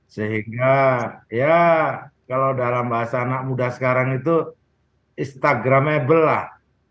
sehingga ya kalau dalam bahasa anak muda sekarang itu instagramable lah